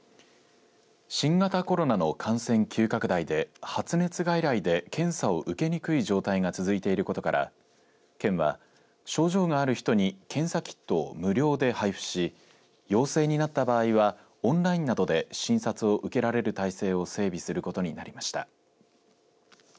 新型コロナの感染急拡大で発熱外来で検査を受けにくい状態が続いていることから県は症状がある人に検査キットを無料で配布し陽性になった場合はオンラインなどで診察を受けられる体制を整備することになりました。